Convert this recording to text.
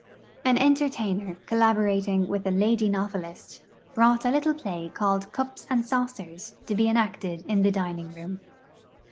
An entertainer, collaborating with a lady novelist, brought a little play called 'Cups and Saucers' to be enacted in the dining room.